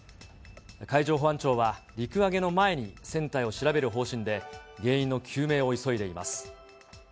海上保安庁は、陸揚げの前に船体を調べる方針で、原因の究明を急いでいます。